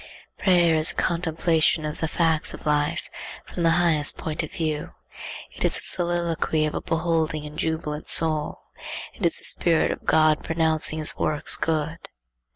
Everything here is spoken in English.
Prayer is the contemplation of the facts of life from the highest point of view. It is the soliloquy of a beholding and jubilant soul. It is the spirit of God pronouncing his works good.